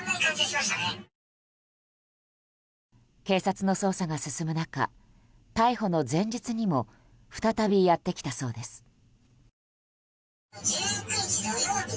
警察の捜査が進む中逮捕の前日にも再びやってきたそうです。